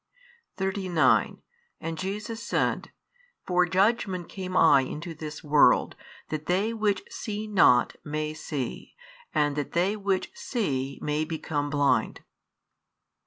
39 And Jesus said, For judgment came I into this world, that they which see not may see; and that they which see may become blind.